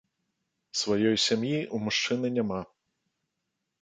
Сваёй сям'і ў мужчыны няма.